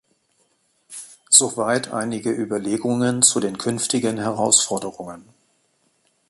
Soweit einige Überlegungen zu den künftigen Herausforderungen.